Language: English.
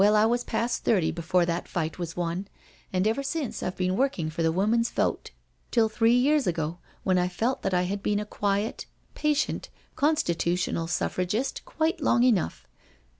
Well, I was past thirty before that fight was won, and ever since I've been working for the woman's vote till three years ago, when I felt that I had been a quiet, patient Constitutional Suffragist quite long enough.